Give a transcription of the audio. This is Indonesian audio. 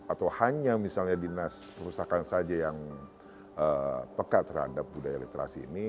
atau hanya misalnya dinas perpustakaan saja yang peka terhadap budaya literasi ini